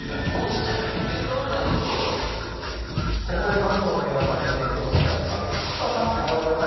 ここで関東の皆さんに天気をお伝えします。